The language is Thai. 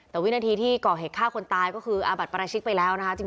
แต่วินาทีที่ก่อเหตุฆ่าคนตายก็คืออาบัดประชิกไปแล้วนะคะ